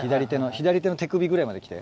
左手の手首ぐらいまで来て。